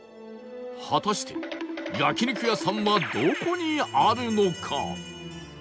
果たして焼肉屋さんはどこにあるのか？